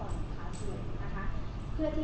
โครงเนี่ยจำนวนนักเรียนอยู่ที่ประมาณ๒๐บาทคนถ้านั้นเอง